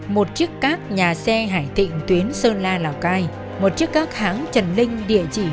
một chiếc cát nhà xe hải tịnh tuyến sơn la lào cai một chiếc các hãng trần linh địa chỉ